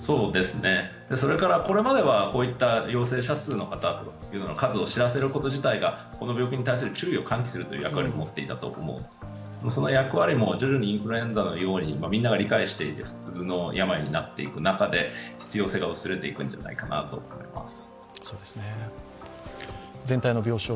これまではこういった陽性者数の方の数を知らせること自体がこの病気に対する注意を喚起する役割を持っていたんですが、その役割も徐々にインフルエンザのように、みんなが理解して普通の病になっていく中で必要性が薄れていくんじゃないかなと思います。